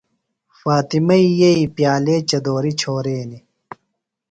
فاطمئی یئیی پیالے چدُوری چھورینیۡ۔